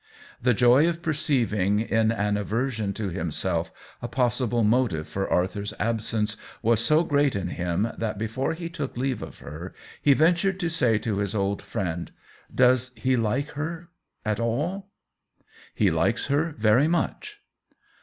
The joy of perceiving in an aversion to himself a possible motive for Arthur's ab sence was so great in him that before he took leave of her he ventured to say to his old friend, " Does he like her at all ?"" He likes her very much."